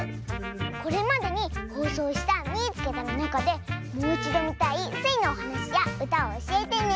これまでにほうそうした「みいつけた！」のなかでもういちどみたいスイのおはなしやうたをおしえてね！